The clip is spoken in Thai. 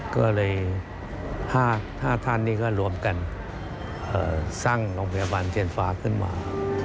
ก็เลย๕ท่านนี่ก็รวมกันสร้างโรงพยาบาลเทียนฟ้าขึ้นมา